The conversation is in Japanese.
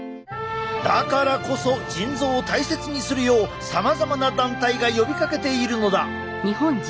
だからこそ腎臓を大切にするようさまざまな団体が呼びかけているのだ！